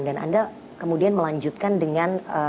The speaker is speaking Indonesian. dan anda kemudian melanjutkan dengan